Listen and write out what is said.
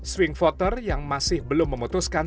swing voter yang masih belum memutuskan